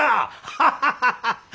ハハハハ！